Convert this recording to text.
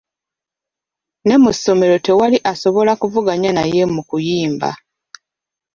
Ne mu ssomero tewali asobola kuvuganya naye mu kuyimba.